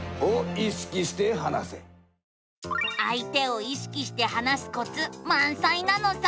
あい手を意識して話すコツまんさいなのさ。